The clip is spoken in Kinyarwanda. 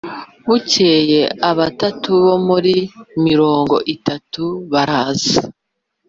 Bukeye abatatu bo muri mirongo itatu baraza